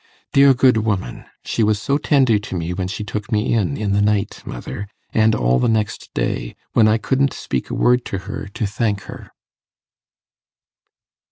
Dear good woman! She was so tender to me when she took me in, in the night, mother, and all the next day, when I couldn't speak a word to her to thank her.